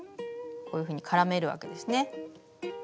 こういうふうに絡めるわけですね。